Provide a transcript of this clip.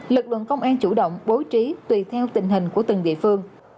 lực lượng công an chủ động bố trí tùy theo tình hình của từng địa phương